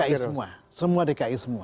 dki semua semua dki semua